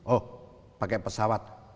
oh pakai pesawat